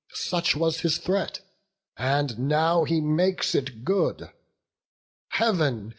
Such was his threat, and now he makes it good. Heav'n!